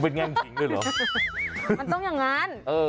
เป็นแง่มหญิงด้วยเหรอมันต้องอย่างนั้น